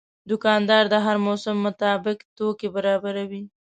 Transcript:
دوکاندار د هر موسم مطابق توکي برابروي.